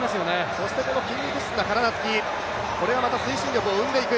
そしてこの筋肉質の体、これが推進力を生んでいく。